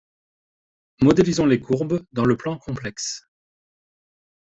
Modélisons les courbes dans le plan complexe.